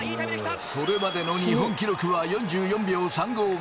それまでの日本記録は４４秒３５５。